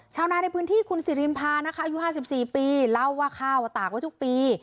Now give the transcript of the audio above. ชาวนาในพื้นที่คุณสิรินพานะคะอายุ๕๔ปีเล่าว่าข้าวตากไว้ทุกปี